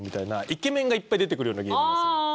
イケメンがいっぱい出てくるようなゲームなんですよ。